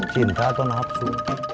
cinta atau nafsu